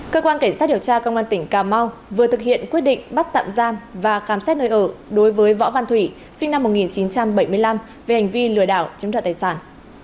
cơ quan cảnh sát điều tra công an tỉnh cà mau vừa thực hiện quyết định bắt tạm giam và khám xét nơi ở đối với võ văn thủy sinh năm một nghìn chín trăm bảy mươi năm về hành vi lừa đảo chứng đoạt tài sản